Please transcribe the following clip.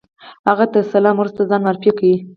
هغه تر سلام وروسته ځان معرفي کړ.